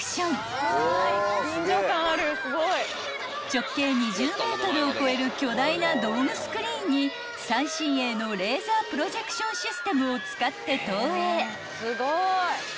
［直径２０ｍを超える巨大なドームスクリーンに最新鋭のレーザープロジェクションシステムを使って投影］